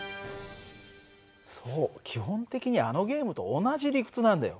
そう基本的にはあのゲームと同じ理屈なんだよ。